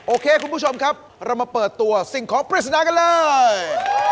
โอเคคุณผู้ชมครับเรามาเปิดตัวสิ่งของปริศนากันเลย